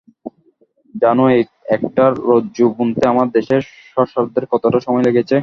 জানো এই একটা রজ্জু বুনতে আমার দেশের সর্সারারদের কতটা সময় লেগেছে?